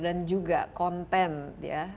dan juga konten ya